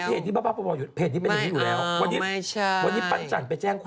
เห็นที่เป็นแบบนี้อยู่แล้ว